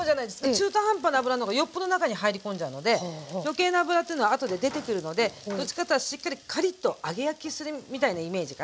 中途半端な油の方がよっぽど中に入り込んじゃうので余計な油っていうのはあとで出てくるのでどっちかっていったらしっかりカリッと揚げ焼きするみたいなイメージかな。